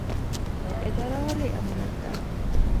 اداره ولې امانت ده؟